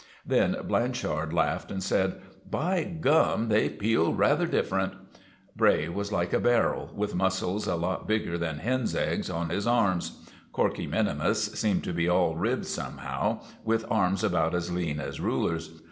Then Blanchard laughed and said: "By gum! they peel rather different!" Bray was like a barrel, with muscles a lot bigger than hen's eggs on his arms. Corkey minimus seemed to be all ribs somehow, with arms about as lean as rulers.